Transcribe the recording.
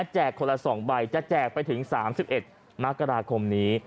คนละ๒ใบจะแจกไปถึง๓๑มกราคมนี้